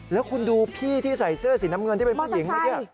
แล้วคุณดูพี่ที่ใส่เสื้อสีน้ำเงินที่เป็นผู้หญิงเมื่อกี้